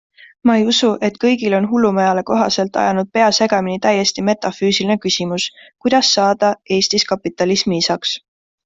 Ma ei usu, et kõigil on hullumajale kohaselt ajanud pea segamini täiesti metafüüsiline küsimus, kuidas saada Eestis kapitalismi isaks?